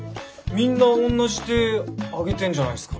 みんな同じ手上げてんじゃないんすかね。